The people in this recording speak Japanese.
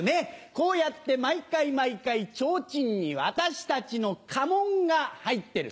こうやって毎回毎回ちょうちんに私たちの家紋が入ってる。